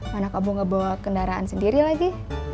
mana kamu gak bawa kendaraan sendiri lagi